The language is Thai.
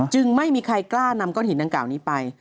จึงไม่มีใครกล้านำก้อนหินดังกล่าวนี้ไป